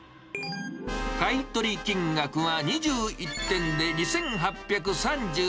買い取り金額は２１点で２８３４円。